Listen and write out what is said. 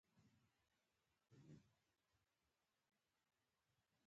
له همدغو غږونو د کلمې بېلابېل ډولونه جوړیږي.